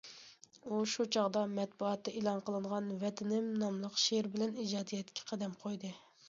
ئۇ شۇ چاغدا مەتبۇئاتتا ئېلان قىلىنغان‹‹ ۋەتىنىم›› ناملىق شېئىرى بىلەن ئىجادىيەتكە قەدەم قويدى.